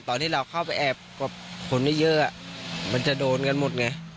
ตอนที่เราเข้าไปแอบยาวหยุดไม่เยอะก็จะโดนกันหมดไง